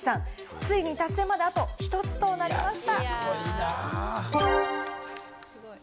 ついに達成まで、あと１つとなりました。